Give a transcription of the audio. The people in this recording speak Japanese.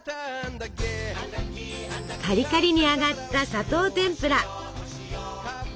カリカリに揚がった砂糖てんぷら。